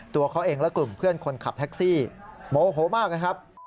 ตัวเขาเองและกลุ่มเพื่อนคนขับแท็กซี่โมโหมากนะครับ